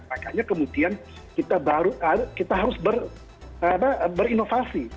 makanya kemudian kita harus berinovasi